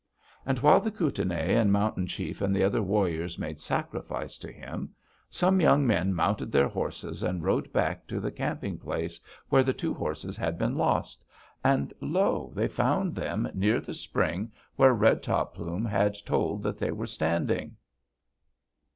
And while the Kootenai and Mountain Chief and the other warriors made sacrifice to him, some young men mounted their horses and rode back to the camping place where the two horses had been lost, and lo! they found them near the spring where Red Top Plume had told that they were standing."